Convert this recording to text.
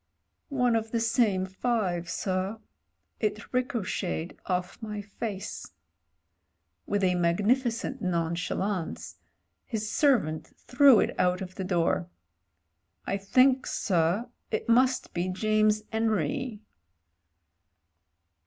"One of the same five, sir. It ricocheted off my face." With a magnificent nonchalance his servant threw it out of the door. "I think, sir, it must be James 'Enry."